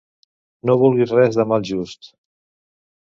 No vulguis res de mal just.